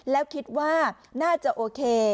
แล้วคิดว่าน่าจะโอเค